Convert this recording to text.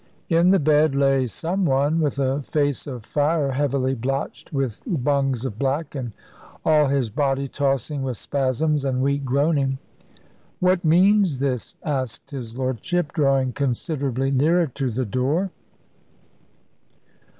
In the bed lay some one, with a face of fire heavily blotched with bungs of black, and all his body tossing with spasms and weak groaning. "What means this?" asked his Lordship, drawing considerably nearer to the door.